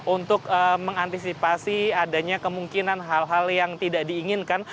untuk mengantisipasi adanya kemungkinan hal hal yang tidak diinginkan